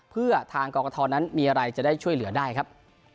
เพื่อทางกรกฐนั้นมีอะไรจะได้ช่วยเหลือได้ครับ